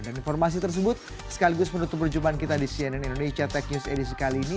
dan informasi tersebut sekaligus menutup perjumpaan kita di cnn indonesia tech news edition kali ini